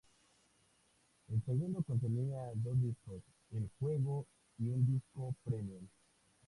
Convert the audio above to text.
El segundo, contenía dos discos: el juego y un disco premium.